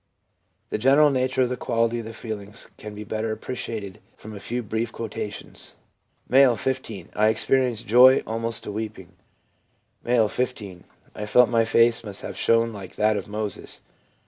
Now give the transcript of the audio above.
The general nature of the quality of the feelings can be better appreciated from a few brief quotations : M., 15. * I experienced joy almost to weeping.' M., 15. i I felt my face must have shone like that of Moses.